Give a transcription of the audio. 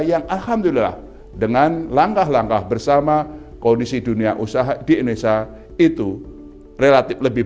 yang alhamdulillah dengan langkah langkah bersama kondisi dunia usaha di indonesia itu relatif lebih